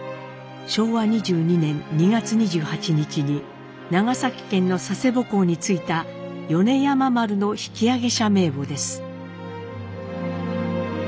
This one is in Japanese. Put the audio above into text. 昭和２２年２月２８日に長崎県の佐世保港に着いた米山丸の引揚者名簿です。